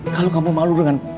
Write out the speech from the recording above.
kalau kamu malu dengan